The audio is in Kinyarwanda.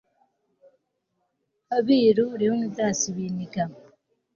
Abiru Leonidas Biniga